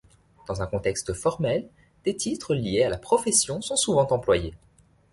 Dans un contexte formel, des titres liés à la profession sont souvent employés.